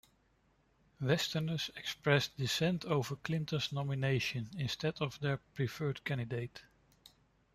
Westerners expressed dissent over Clinton's nomination instead of their preferred candidate.